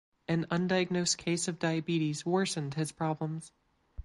An undiagnosed case of diabetes worsened his problems.